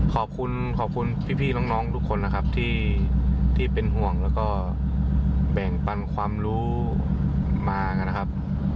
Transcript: ขอบคุณขอบคุณพี่น้องทุกคนนะครับที่เป็นห่วงแล้วก็แบ่งปันความรู้มานะครับ